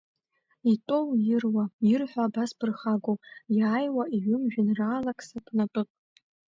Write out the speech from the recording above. Итәоу ируа, ирҳәо абасԥырхагоу, иааиуа, иҩым жәеинраалак сатәнатәып.